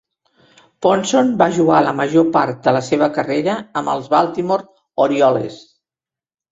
Ponson va jugar la major part de la seva carrera amb els Baltimore Orioles.